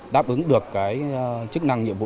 đáp ứng được cái chức năng nhiệm vụ